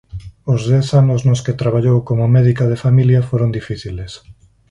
Os dez anos nos que traballou como médica de familia foron difíciles.